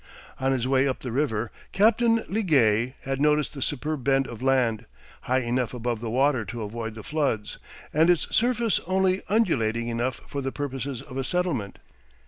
On his way up the river Captain Liguest had noticed this superb bend of land, high enough above the water to avoid the floods, and its surface only undulating enough for the purposes of a settlement.